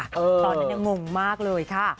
ตอนนั้นยังงงมากเลยค่ะ